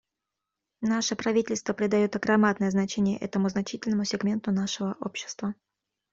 Наше правительство придает громадное значение этому значительному сегменту нашего общества.